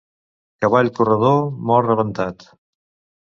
Cavall corredor, mor rebentat.